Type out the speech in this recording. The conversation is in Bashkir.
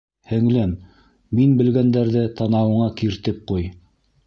Һеңлем, мин белгәндәрҙе танауыңа киртеп ҡуй.